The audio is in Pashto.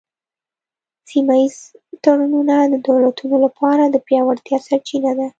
سیمه ایز تړونونه د دولتونو لپاره د پیاوړتیا سرچینه ده